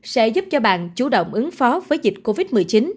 sẽ giúp cho bạn chủ động ứng phó với dịch covid một mươi chín